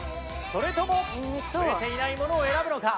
それともふれていないものを選ぶのか？